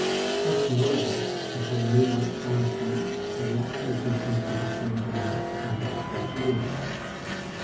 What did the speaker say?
The question, moreover, has had a new light thrown upon it by the application of the principles of thermodynamics and of the phase rule.